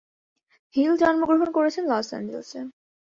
Hill জন্মগ্রহণ করেছেন Los অ্যাঞ্জেলেসে।